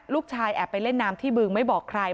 แอบไปเล่นน้ำที่บึงไม่บอกใคร